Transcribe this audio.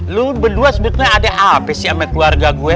lu berdua sebetulnya ada apa sih sama keluarga gue